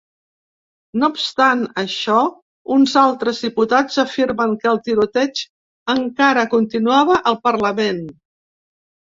No obstant això, uns altres diputats afirmen que el tiroteig encara continuava al parlament.